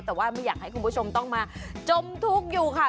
แต่ว่าไม่อยากให้คุณผู้ชมต้องมาจมทุกข์อยู่ค่ะ